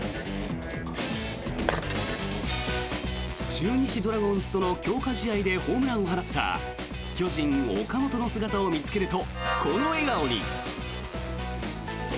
中日ドラゴンズとの強化試合でホームランを放った巨人、岡本の姿を見つけるとこの笑顔に。